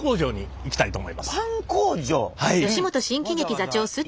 はい。